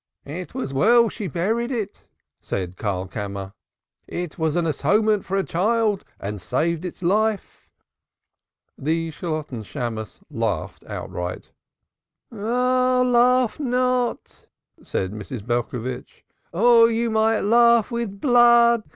"It was well she buried it," said Karlkammer. "It was an atonement for a child, and saved its life." The Shalotten Shammos laughed outright. "Ah, laugh not," said Mrs. Belcovitch. "Or you might laugh with blood.